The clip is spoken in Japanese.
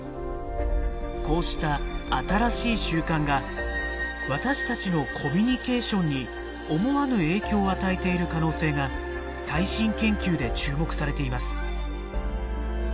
こうした新しい習慣が私たちのコミュニケーションに思わぬ影響を与えている可能性が最新研究で注目されています。